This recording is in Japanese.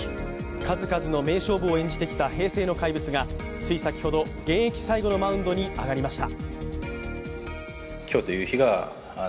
数々の名勝負を演じてきた平成の怪物がつい先ほど、現役最後のマウンドに上がりました。